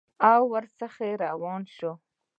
ورڅخه روان شوم.